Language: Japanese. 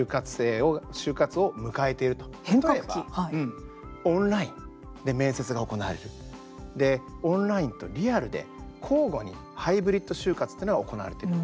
例えばオンラインで面接が行われるオンラインと、リアルで交互にハイブリッド就活というのが行われている。